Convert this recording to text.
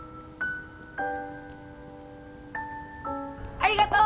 ありがとう！